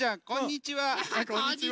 こんにちは。